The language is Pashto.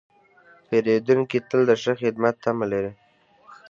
پیرودونکی تل د ښه خدمت تمه لري.